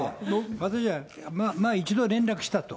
私は前、一度連絡したと。